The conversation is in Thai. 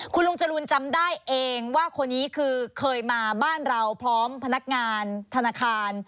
คุณลุงจรูนจำได้เองว่าคนนี้คือเคยมาบ้านเราพร้อมพนักงานธนาคาร